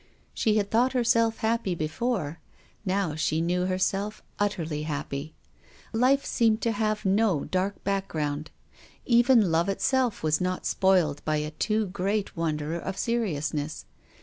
She had thought herself happy before, now she knew herself utterly happy. Life seemed to have no dark background. Even love itself was not spoiled by a too great wonder of seriousness.